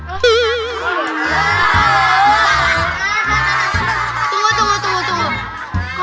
tunggu tunggu tunggu